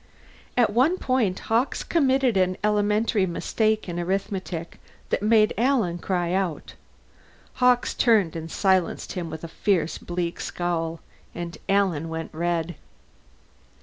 At one point Hawkes committed an elementary mistake in arithmetic that made Alan cry out; Hawkes turned and silenced him with a fierce bleak scowl, and Alan went red.